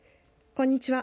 こんにちは。